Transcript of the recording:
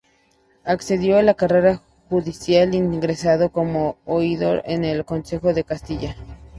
Accedió a la carrera judicial, ingresando como oidor en el Consejo de Castilla.